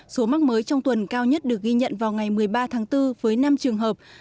số mắc mới trong tuần cao nhất được ghi nhận vào ngày một mươi ba tháng bốn với năm trường hợp